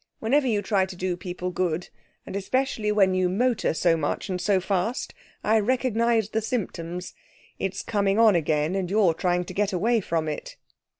Whenever you try to do people good, and especially when you motor so much and so fast, I recognise the symptoms. It's coming on again, and you're trying to get away from it.'